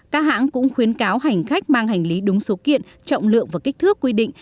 các hãng cũng khuyến cáo hành khách mang hành lý đúng số kiện trọng lượng và kích thước quy định